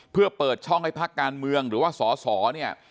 เพื่อเปิดช่องให้พักการเมืองหรือว่าสอสอเนี่ย